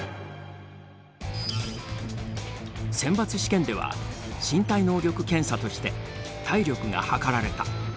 選抜試験では身体能力検査として体力が測られた。